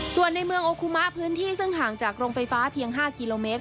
ส่วนในเมืองโอคุมะพื้นที่ซึ่งห่างจากโรงไฟฟ้าเพียง๕กิโลเมตร